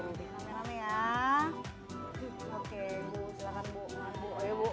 oke silahkan bu